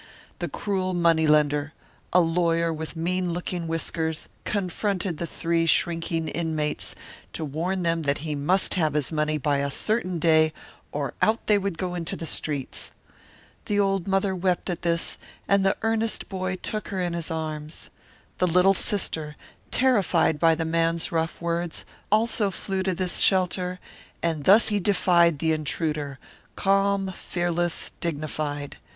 The cruel money lender, a lawyer with mean looking whiskers, confronted the three shrinking inmates to warn them that he must have his money by a certain day or out they would go into the streets. The old mother wept at this, and the earnest boy took her in his arms. The little sister, terrified by the man's rough words, also flew to this shelter, and thus he defied the intruder, calm, fearless, dignified.